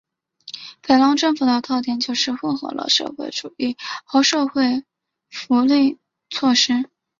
裴隆政府的特点就是混合了社团主义和社会福利措施。